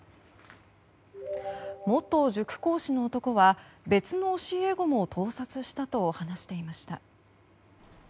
元塾講師の男は、別の教え子も盗撮したと話していました。